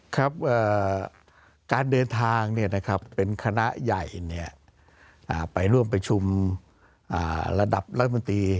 ครับการเดินทางเนี่ยนะครับเป็นคณะใหญ่เนี่ยไปร่วมประชุมระดับรัฐบินตรี